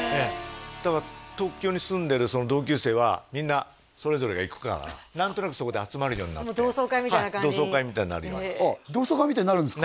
だから東京に住んでる同級生はみんなそれぞれが行くから何となくそこで集まるようになって同窓会みたいな感じはい同窓会みたいになるように同窓会みたいになるんですか？